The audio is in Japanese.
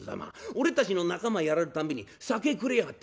俺たちの仲間やられるたんびに酒食れえやがって。